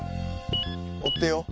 おってよ。